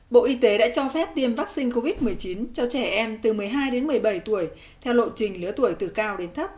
bộ y tế đã cho phép tiêm vaccine covid một mươi chín cho trẻ em từ một mươi hai đến một mươi bảy tuổi theo lộ trình lứa tuổi từ cao đến thấp